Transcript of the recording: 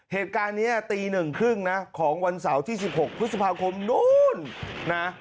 เหตุการณ์นี้ตีหนึ่งครึ่งนะของวันเสาร์ที่๑๖พฤษภาคมนู้นนะ